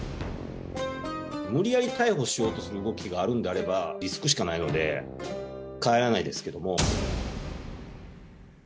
無理やり逮捕しようとする動きがあるんであれば、リスクしかないので、帰らないですけども。